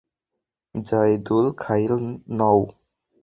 যাইদুল খাইল নও।